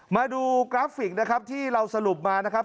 มาดูกราฟิกนะครับที่เราสรุปมานะครับ